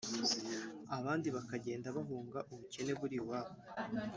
abandi bakagenda bahunga ubukene buri iwabo